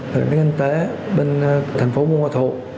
tên kinh tế bên thành phố buôn mạc thuật